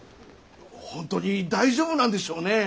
・本当に大丈夫なんでしょうね？